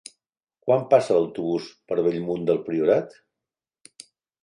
Quan passa l'autobús per Bellmunt del Priorat?